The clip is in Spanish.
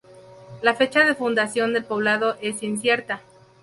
La fecha de fundación del poblado es incierta.